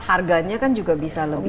harganya kan juga bisa lebih